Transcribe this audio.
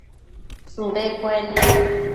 shudu cuenme